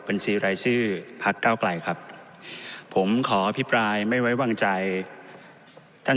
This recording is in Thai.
บัญชีรายชื่อพักเก้าไกลครับผมขออภิปรายไม่ไว้วางใจท่าน